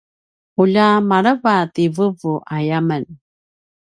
ulja maleva ti vuvu aya men